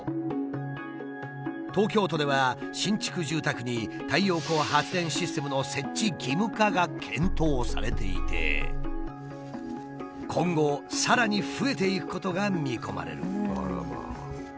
東京都では新築住宅に太陽光発電システムの設置義務化が検討されていて今後さらに増えていくことが見込まれる。